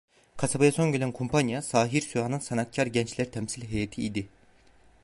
Kasabaya son gelen kumpanya, "Sahir Süha"nın "Sanatkar Gençler" temsil heyeti idi.